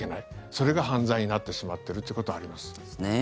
それが犯罪になってしまってるってことはあります。